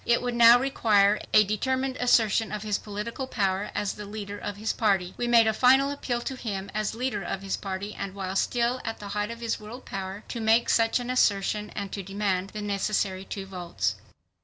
It would now require a determined assertion of his political power as the leader of his party. We made a final appeal to him as leader of his party and while still at the height of his world power, to make such an assertion and to demand the necessary two votes.